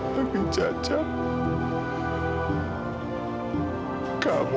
karena uang jajan kamu tidak banyak tuhan